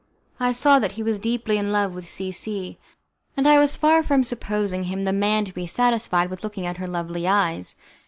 I saw that he was deeply in love with C C , and I was far from supposing him the man to be satisfied with looking at her lovely eyes.